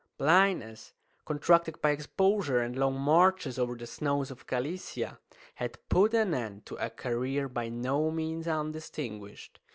Blindness contracted by exposure and long marches over the snows of Galicia had put an end to a career by no means undistinguished.